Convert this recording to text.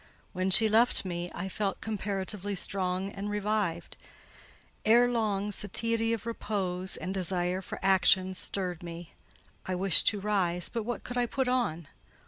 When she left me, I felt comparatively strong and revived: ere long satiety of repose and desire for action stirred me. I wished to rise; but what could I put on?